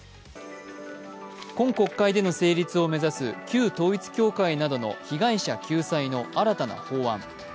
今国会での成立を目指す旧統一教会なとの被害者救済の新たな法案。